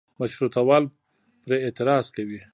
مشروطه وال پرې اعتراض کوي.